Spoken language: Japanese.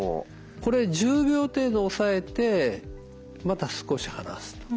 これ１０秒程度押さえてまた少し離すと。